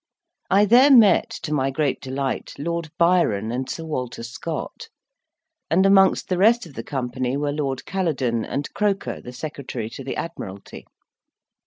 I there met, to my great delight, Lord Byron and Sir Walter Scott; and amongst the rest of the company were Lord Caledon, and Croker, the Secretary to the Admiralty.